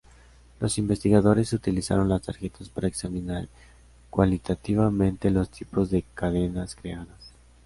Los investigadores utilizaron las tarjetas para examinar cualitativamente los tipos de cadenas creadas.